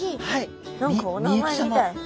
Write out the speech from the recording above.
何かお名前みたい。